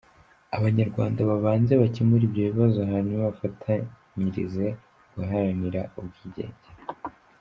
Abanyarwanda babanze bakemure ibyo bibazo, hanyuma bafatanyirize guharanira ubwigenge.